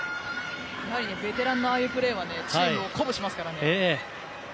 ベテランのああいうプレーはチームを鼓舞しますからね。